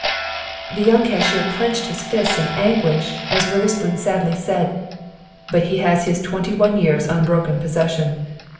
The young cashier clenched his fists in anguish, as Witherspoon sadly said: "But he has had twenty one years' unbroken possession.